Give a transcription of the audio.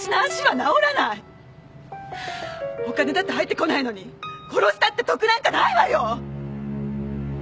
お金だって入ってこないのに殺したって得なんかないわよ！